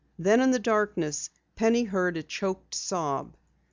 Then in the darkness Penny heard a choked sob.